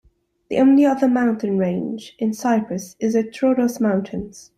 The only other mountain range in Cyprus is the Troodos Mountains.